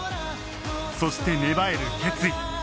そして芽生える決意